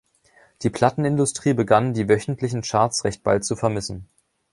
Die Plattenindustrie begann die wöchentlichen Charts recht bald zu vermissen.